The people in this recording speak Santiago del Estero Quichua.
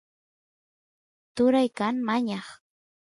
turay kan mañaq